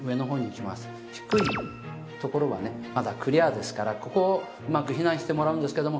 低い所はねまだクリアですからここをうまく避難してもらうんですけども。